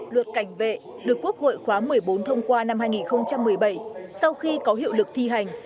luật cảnh vệ được quốc hội khóa một mươi bốn thông qua năm hai nghìn một mươi bảy sau khi có hiệu lực thi hành